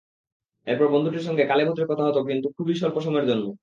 এরপর বন্ধুটির সঙ্গে কালে ভাদ্রে কথা হতো কিন্তু খুবই স্বল্প সময়ের জন্য।